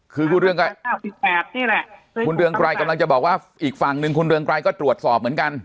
คือคุณเรียงไกลคุณเรียงไกลกำลังจะบอกว่าอีกฝั่งนึงคุณเรียงไกลก็ตรวจสอบเหมือนกัน